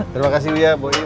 terima kasih ya boyu